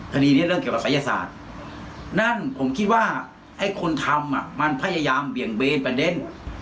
คดีนี้เรื่องเกี่ยวกับศัยศาสตร์นั่นผมคิดว่าไอ้คนทำมันพยายามเบี่ยงเบนประเด็น